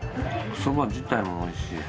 そば自体も美味しい。